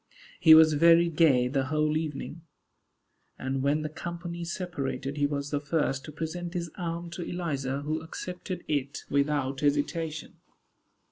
He was very gay the whole evening; and when the company separated, he was the first to present his arm to Eliza, who accepted it without hesitation.